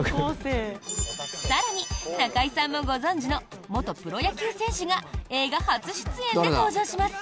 更に、中居さんもご存じの元プロ野球選手が映画初出演で登場します。